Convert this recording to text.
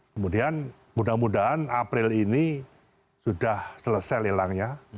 kemudian mudah mudahan april ini sudah selesai lelangnya